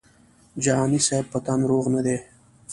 جهاني صاحب په تن روغ نه دی.